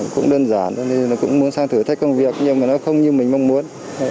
cũng đơn giản nó cũng muốn sang thử thách công việc nhưng mà nó không như mình mong muốn